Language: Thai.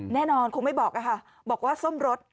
แน่นอนคงไม่บอกค่ะบอกว่าซ่อมรถ